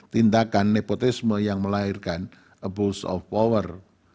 tindakan nepotisme yang melahirkan abuse of power